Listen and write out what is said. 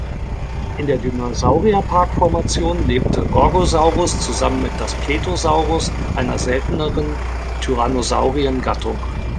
In der Dinosaur-Park-Formation lebte "Gorgosaurus" zusammen mit "Daspletosaurus", einer selteneren Tyrannosaurinen-Gattung.